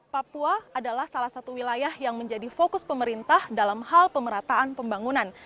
papua adalah salah satu wilayah yang menjadi fokus pemerintah dalam hal pemerataan pembangunan